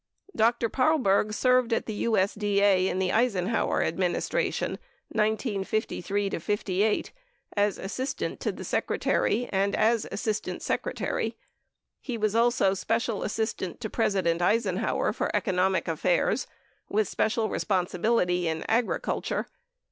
Dr. Paarlberg served at the USDA in the Eisenhower administration (1953 58) as assistant to the Secretary and as Assistant Secretary. He was also Special Assistant to Presi dent Eisenhower for economic affairs, with special responsibility in agriculture.